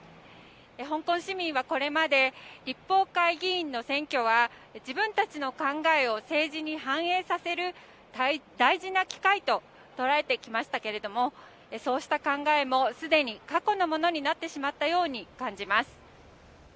香港市民はこれまで立法会議員の選挙は自分たちの考えを政治に反映させる大事な機会と捉えてきましたけれどもそうした考えもすでに過去のものになってしまったように感じます。